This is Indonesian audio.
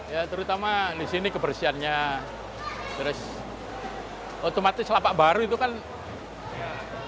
ya terutama di sini kebersihannya otomatis lapak baru itu kan nyaman gitu loh